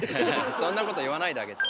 そんなこと言わないであげて。